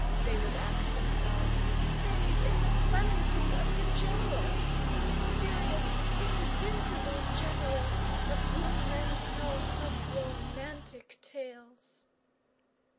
they would ask themselves, "save in the clemency of the General, the mysterious, invincible General, of whom men tell such romantic tales?"